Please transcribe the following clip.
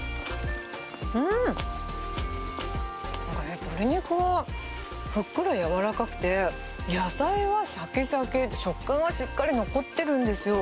うん、鶏肉はふっくら柔らかくて、野菜はしゃきしゃき、食感がしっかり残ってるんですよ。